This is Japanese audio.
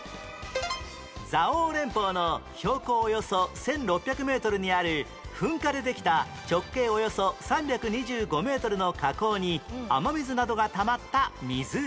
蔵王連峰の標高およそ１６００メートルにある噴火でできた直径およそ３２５メートルの火口に雨水などがたまった湖